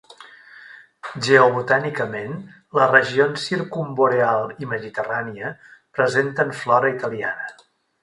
Geobotànicament, les regions circumboreal i mediterrània presenten flora italiana.